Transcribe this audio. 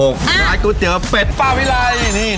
นายกูเจอเป็ดป้าวิรัย